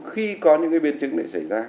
khi có những biên chức xảy ra